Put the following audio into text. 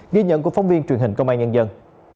ghi nhận của phóng viên truyền hình công an nhân dân